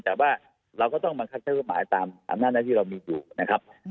แต่ว่าเราก็ต้องบังคัดเจ้าผู้หมาตามสำนาคมที่เรามีอยู่นะครับ